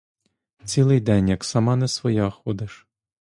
Цілий день як сама не своя ходиш.